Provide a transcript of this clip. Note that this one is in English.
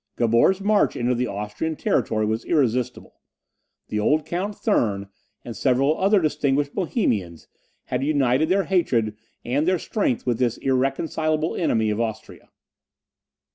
Gabor's march into the Austrian territory was irresistible; the old Count Thurn, and several other distinguished Bohemians, had united their hatred and their strength with this irreconcileable enemy of Austria.